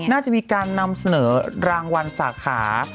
น่าจะมีการนำเสนอรางวัลสาขา